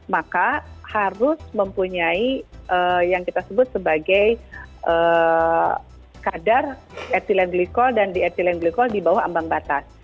maka harus mempunyai yang kita sebut sebagai kadar ethylene glycol dan di ethylene glycol di bawah ambang batas